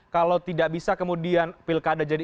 kalau tidak bisa kemudian pilkada jadi